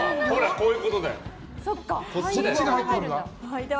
こういうことだよ。